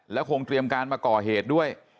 แล้วคงเตรียมการมาก่อเหตุด้วย